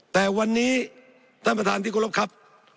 แต่วันนี้ท่านประธานที่กรบครับ